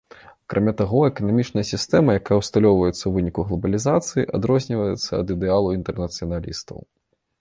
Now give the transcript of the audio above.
Акрамя таго, эканамічная сістэма, якая ўсталёўваецца ў выніку глабалізацыі, адрозніваецца ад ідэалу інтэрнацыяналістаў.